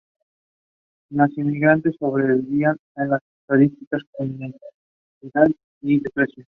Los inmigrantes sobresalen en las estadísticas de criminalidad de Suecia.